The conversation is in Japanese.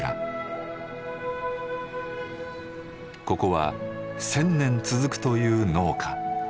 ここは１，０００年続くという農家。